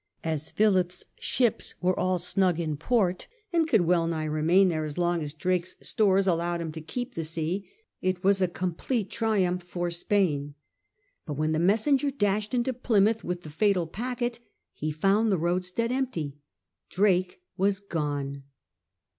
As Philip's ships were all snug in port, and could well remain there as long as Drake's stores allowed him to keep the sea, it was a complete triumph for Spain. But when the messenger dashed into Plymouth with the fatal packet he found the roadstead empty. Drake was gone.